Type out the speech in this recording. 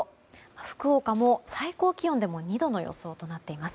福岡も最高気温でも２度の予想となっています。